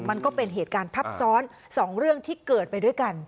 มันก็เป็นเหตุการณ์ทับซ้อนสองเรื่องที่เกิดไปด้วยกัน